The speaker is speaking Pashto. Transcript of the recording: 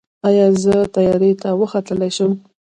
ایا زه طیارې ته وختلی شم؟